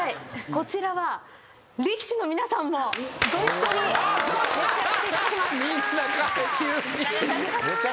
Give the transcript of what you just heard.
こちらは力士の皆さんもご一緒に召し上がっていただきます。